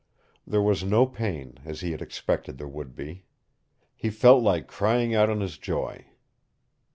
There was no pain, as he had expected there would be. He felt like crying out in his joy.